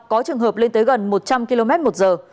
có trường hợp lên tới gần một trăm linh km một giờ